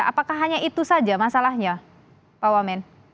apakah hanya itu saja masalahnya pak wamen